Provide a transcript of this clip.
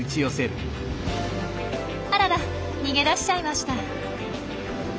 あらら逃げ出しちゃいました。